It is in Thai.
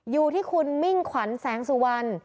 อยู่ที่คุณมิ่งขวัญแสงสุวรรณ